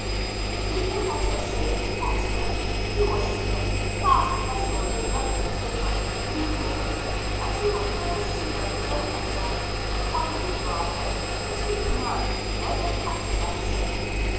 "If we can get her safely to Boston, he will see that a fast vessel is ready to take us to New York; and he will further see that his own vessel the Colony's rather, which he commands never catches us."